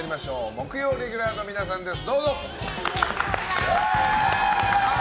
木曜レギュラーの皆さんです！